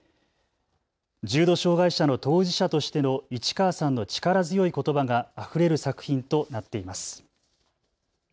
重度障害者の当事者としての市川さんの力強いことばがあふれる作品となっています。